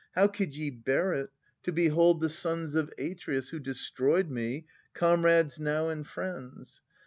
How could ye bear it, to behold the sons of Atreus, who destroyed me, comrades now And friends